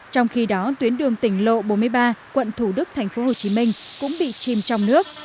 trong khi đó tuyến đường tỉnh lộ bốn mươi ba quận thủ đức thành phố hồ chí minh cũng bị chìm trong nước